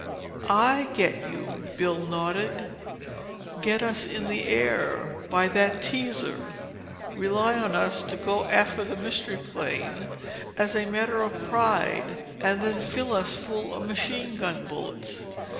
"I get you," Bill nodded. "Get us in the air, by that teaser—rely on us to go after the Mystery Plane as a matter of pride—and then fill us full of machine gun bullets.